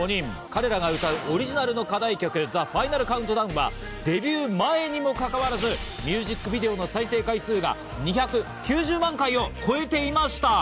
彼らが歌うオリジナルの課題曲『ＴｈｅＦｉｎａｌＣｏｕｎｔｄｏｗｎ』はデビュー前にもかかわらず、ミュージックビデオの再生回数が２９０万回を超えていました。